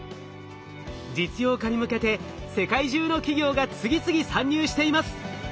実用化に向けて世界中の企業が次々参入しています。